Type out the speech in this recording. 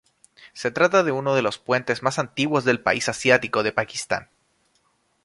Se trata de uno de los puentes más antiguos del país asiático de Pakistán.